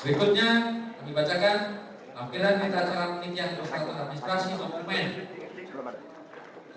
berikutnya kami bacakan tampilan kita secara penelitian dari satu administrasi komunikasi